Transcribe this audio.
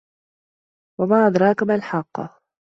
وَما أَدراكَ مَا الحاقَّةُ